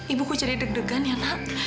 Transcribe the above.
ibuku jadi deg degan ya tau